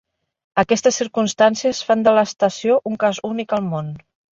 Aquestes circumstàncies fan de l'estació un cas únic al món.